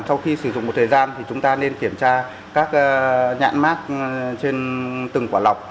sau khi sử dụng một thời gian thì chúng ta nên kiểm tra các nhãn mát trên từng quả lọc